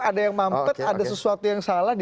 ada yang mampet ada sesuatu yang salah